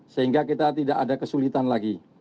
sehingga kita tidak ada kesulitan lagi